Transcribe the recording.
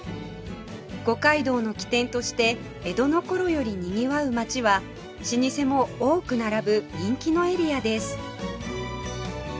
五街道の起点として江戸の頃よりにぎわう街は老舗も多く並ぶ人気のエリアです